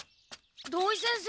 土井先生。